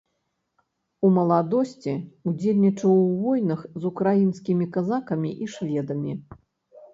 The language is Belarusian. У маладосці удзельнічаў у войнах з украінскімі казакамі і шведамі.